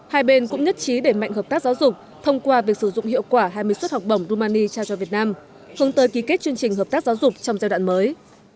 hai bên cũng nhất trí để mạnh hợp tác giáo dục thông qua việc sử dụng hiệu quả hai mươi suất học bổng rumani trao cho việt nam hướng tới ký kết chương trình hợp tác giáo dục trong giai đoạn mới